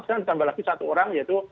sekarang ditambah lagi satu orang yaitu